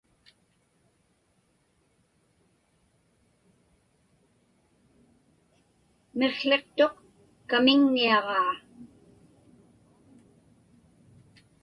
Miqłiqtuq kamiŋniaġaa.